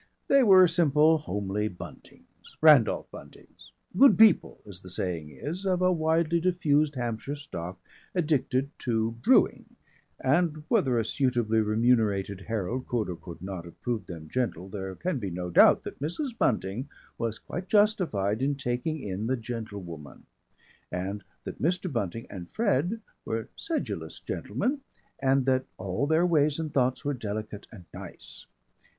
They were simple homely Buntings Randolph Buntings "good people" as the saying is of a widely diffused Hampshire stock addicted to brewing, and whether a suitably remunerated herald could or could not have proved them "gentle" there can be no doubt that Mrs. Bunting was quite justified in taking in the Gentlewoman, and that Mr. Bunting and Fred were sedulous gentlemen, and that all their ways and thoughts were delicate and nice.